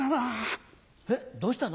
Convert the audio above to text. えっどうしたの？